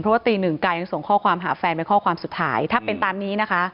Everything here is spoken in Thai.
เพราะว่าตีหนึ่งกายยังส่งข้อความหาแฟนเป็นข้อความสุดท้ายถ้าเป็นตามนี้นะคะ